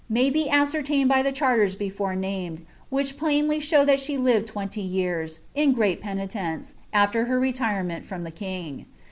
may be ascertained by ilie ch&ricrB before named, which plainly tbon that she lived tweiiiy years, in j^rcai peniirnce , after her rvtiremeal froii the kin^.